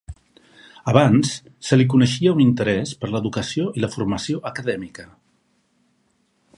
Abans, se li coneixia un interès per l'educació i la formació acadèmica.